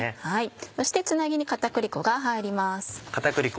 そしてつなぎに片栗粉が入ります。